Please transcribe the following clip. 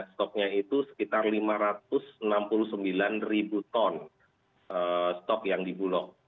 stoknya itu sekitar lima ratus enam puluh sembilan ribu ton stok yang dibulok